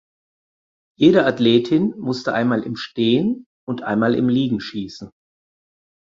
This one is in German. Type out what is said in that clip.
Jede Athletin musste einmal im Stehen und einmal im Liegen schießen.